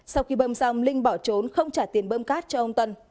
sau khi bơm xong linh bỏ trốn không trả tiền bơm cát cho ông tân